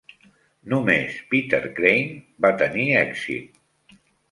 Només Peter Craine va tenir èxit.